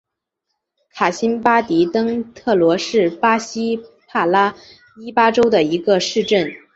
卡辛巴迪登特罗是巴西帕拉伊巴州的一个市镇。